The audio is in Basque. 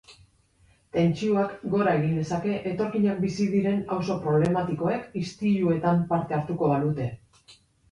Tentsioak gora egin lezake etorkinak bizi diren auzo problematikoek istiluetan parte hartuko balute.